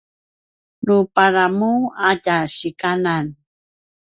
nu maparamur a tja sikanan